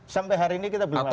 sampai hari ini kita belum tahu